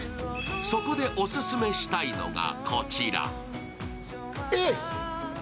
そこでオススメしたいのがこちら。